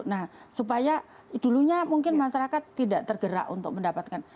nah supaya dulunya mungkin masyarakat tidak tergerak untuk mendapatkan